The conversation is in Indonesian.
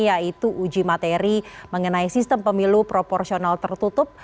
yaitu uji materi mengenai sistem pemilu proporsional tertutup